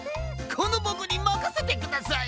このボクにまかせてください！